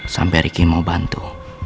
sampai riki mau bantu